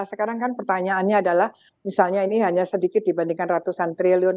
sekarang kan pertanyaannya adalah misalnya ini hanya sedikit dibandingkan ratusan triliun